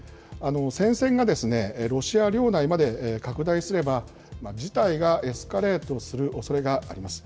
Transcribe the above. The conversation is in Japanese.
戦線がロシア領内まで拡大すれば、事態がエスカレートするおそれがあります。